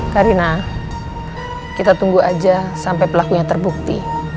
karena kita tunggu aja sampai pelakunya terbukti